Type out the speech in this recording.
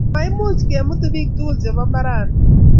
Moimuchi kemutu bik tugul chebo mbarani